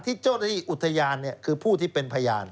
ที่เจ้าหน้าที่อุทยานคือผู้ที่เป็นพยาน